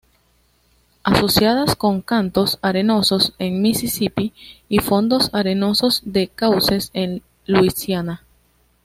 Asociadas con cantos arenosos en Mississippi y fondos arenosos de cauces en Luisiana.